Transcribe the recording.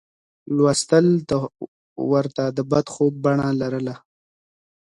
لوستل ورته د بد خوب بڼه لرله.